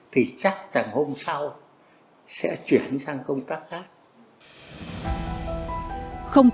thì chắc chẳng hôn